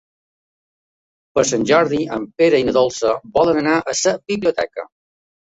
Per Sant Jordi en Pere i na Dolça volen anar a la biblioteca.